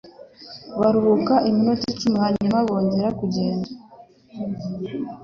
baruhuka iminota icumi, hanyuma bongera kugenda.